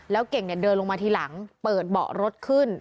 แล้วเก่งเนี่ยเดินลงมาทีหลังเปิดเบาะรถขึ้น